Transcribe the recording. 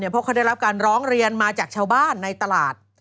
เพราะเขาได้รับการร้องเรียนมาจากชาวบ้านในตลาด